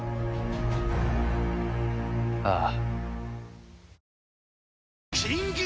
ああ。